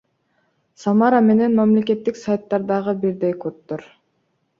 Самара менен мамлекеттик сайттардагы бирдей коддор